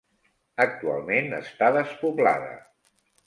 Actualment està despoblada.